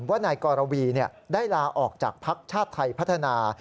ว่านายกรวีได้ลาออกจากภักดิ์ชาติไทยพัฒนา